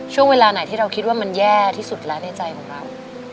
ช่วงเวลาไหนที่เราคิดว่ามันแย่ที่สุดแล้วในใจของเรา